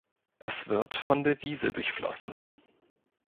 Es wird von der Wiese durchflossen.